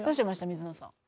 水野さん